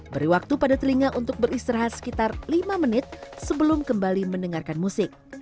beri waktu pada telinga untuk beristirahat sekitar lima menit sebelum kembali mendengarkan musik